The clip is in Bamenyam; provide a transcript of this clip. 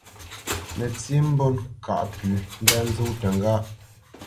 Nətsí mbót ŋkâʼ pʉ̌ ndá nzó təŋgáʼ.